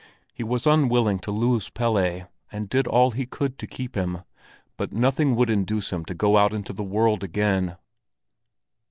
He was unwilling to lose Pelle, and did all he could to keep him; but nothing would induce him to go out into the world again.